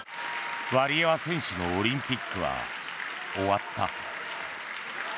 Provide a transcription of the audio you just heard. ワリエワ選手のオリンピックは終わった。